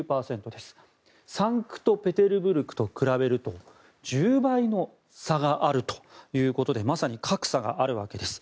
サンクトペテルブルクと比べると１０倍の差があるということでまさに格差があるわけです。